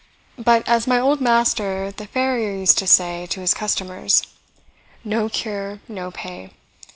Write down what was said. But, as my old master the farrier used to say to his customers, 'No cure, no pay.'